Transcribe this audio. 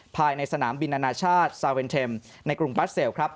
ภายในสนามบินอนาชาติซาเวนเทมในกรุงบัสเซลครับ